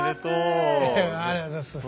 ありがとうございます。